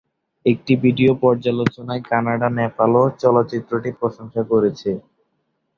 একটি ভিডিও পর্যালোচনায় "কানাডা নেপাল"ও চলচ্চিত্রটির প্রশংসা করেছে।